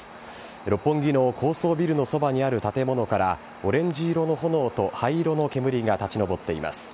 六本木の高層ビルのそばにある建物から、オレンジ色の炎と灰色の煙が立ち上っています。